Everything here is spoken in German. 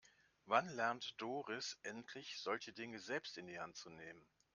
Wann lernt Doris endlich, solche Dinge selbst in die Hand zu nehmen?